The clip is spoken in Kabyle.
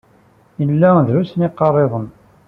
Ila drust n iqariḍen.